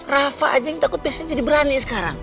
rafa aja yang takut biasanya jadi berani sekarang